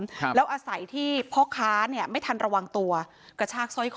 ครับแล้วอาศัยที่พ่อค้าเนี่ยไม่ทันระวังตัวกระชากสร้อยคอ